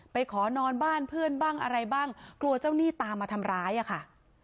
ขอนอนบ้านเพื่อนบ้างอะไรบ้างกลัวเจ้าหนี้ตามมาทำร้ายอะค่ะ